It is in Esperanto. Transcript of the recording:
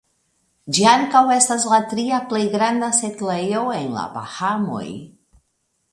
Ĝi ankaŭ estas la tria plej granda setlejo en la Bahamoj.